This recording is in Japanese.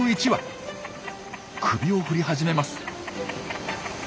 首を振り始めます。